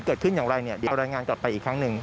เกิดขึ้นอย่างไรเนี่ยเดี๋ยวรายงานกลับไปอีกครั้งหนึ่ง